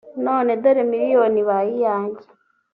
none dore miliyoni ibaye iyanjye